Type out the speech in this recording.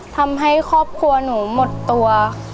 ทำให้ครอบครัวหนูหมดตัว